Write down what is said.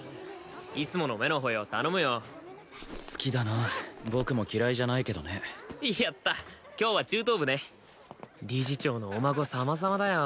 いつもの目の保養頼むよ好きだな僕も嫌いじゃないけどねやった今日は中等部ね理事長のお孫様々だよ